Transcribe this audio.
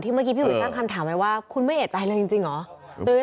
เมื่อกี้พี่อุ๋ยตั้งคำถามไว้ว่าคุณไม่เอกใจเลยจริงเหรอ